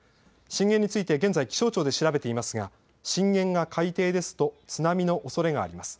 震源について現在、気象庁で調べていますが震源が海底ですと津波のおそれがあります。